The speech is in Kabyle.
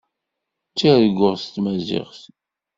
Ttarguɣ s tmaziɣt.